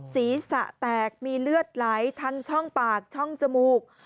ศีรษะแตกมีเลือดไหลทั้งช่องปากช่องจมูก